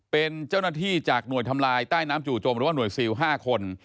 เป็นเจ้าหน้าที่จากหน่วยทำลายใต้น้ำจู่จมหรือว่าหน่วยซิล๕คน